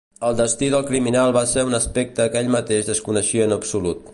El destí del criminal va ser un aspecte que ell mateix desconeixia en absolut.